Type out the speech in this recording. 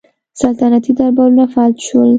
سلطنتي دربارونه فلج شول